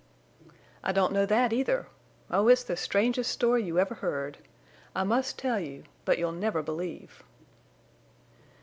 "I don't know that, either. Oh, it's the strangest story you ever heard. I must tell you. But you'll never believe."